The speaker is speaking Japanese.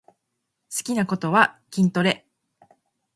好きなことは筋トレ